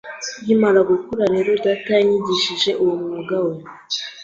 Nkimara gukura rero data yanyigishije uwo mwuga we